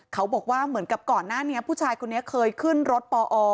เขาบอกว่าเหมือนกับก่อนหน้านี้ผู้ชายคนนี้เคยขึ้นรถปอ